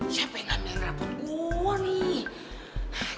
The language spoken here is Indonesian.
siapa yang ambil rebut gue nih